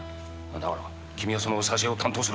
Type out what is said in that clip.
だから君はその挿絵を担当するんだ。